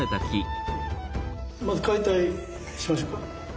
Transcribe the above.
まず解体しましょうか。